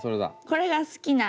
これが好きな。